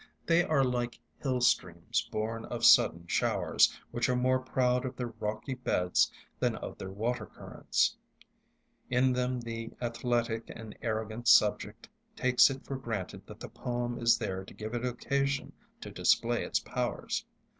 They are like hill streams born of sudden showers, which are more proud of their rocky beds than of their water currents; in them the athletic and arrogant subject takes it for granted that the poem is there to give it occasion to display its powers.